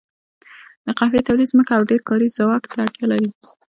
د قهوې تولید ځمکو او ډېر کاري ځواک ته اړتیا لرله.